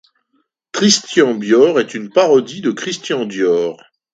Tristan Bior est une parodie de Christian Dior.